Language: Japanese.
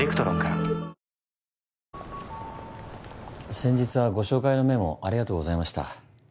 先日はご紹介のメモありがとうございました。